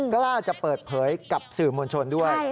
กล้าจะเปิดเผยกับสื่อมวลชนด้วย